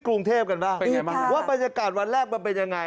กรุงเทพกันบ้างว่าบรรยากาศวันแรกมันเป็นยังไง